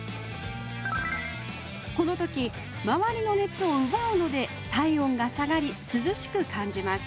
この時周りの熱をうばうので体温が下がり涼しく感じます